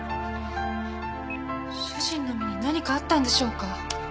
主人の身に何かあったんでしょうか？